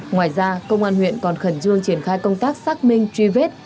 ngoài ra công an huyện còn khẩn trương triển khai công tác xác minh truy vết